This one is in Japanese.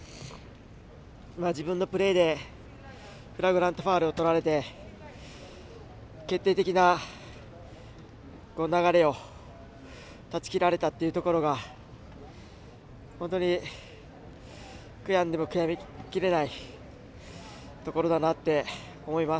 自分のプレーでフラグラントファウルをとられて決定的な流れを断ち切られたというのが本当に悔やんでも悔やみきれないところだなと思います。